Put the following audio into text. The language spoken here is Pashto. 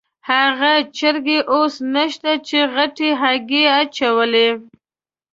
هغه چرګې اوس نشته چې غټې هګۍ یې اچولې.